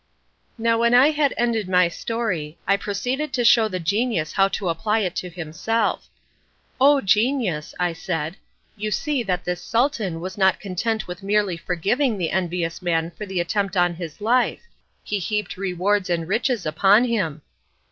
Now when I had ended my story, I proceeded to show the genius how to apply it to himself. "O genius," I said, "you see that this Sultan was not content with merely forgiving the envious man for the attempt on his life; he heaped rewards and riches upon him."